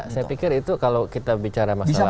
saya pikir itu kalau kita bicara masalah